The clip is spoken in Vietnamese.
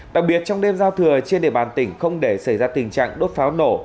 đặc biệt trong đêm giao thừa trên địa bàn tỉnh không để xảy ra tình trạng đốt pháo nổ